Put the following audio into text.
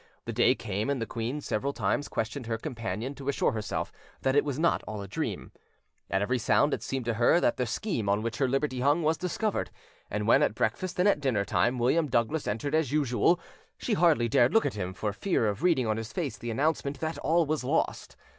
The day came, and the queen several times questioned her companion to assure herself that it was not all a dream; at every sound it seemed to her that the scheme on which her liberty hung was discovered, and when, at breakfast and at dinner time, William Douglas entered as usual, she hardly dared look at him, for fear of reading on his face the announcement that all was lost.